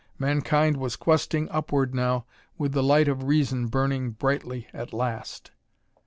Mankind was questing upward now, with the light of Reason burning brightly at last....